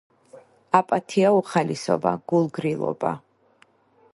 აპათია-უხალისობა, გულგრილობა